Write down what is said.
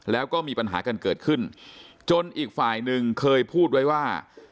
แล้วก็มีปัญหากันเกิดขึ้นจนอีกฝ่ายหนึ่งเคยพูดไว้ว่า